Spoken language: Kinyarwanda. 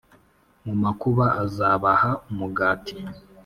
Mu makuba, azabaha umugati;